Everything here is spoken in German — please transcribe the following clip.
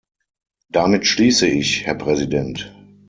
Damit schließe ich, Herr Präsident.